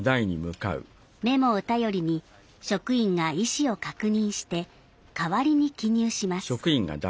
メモを頼りに、職員が意思を確認して、代わりに記入します。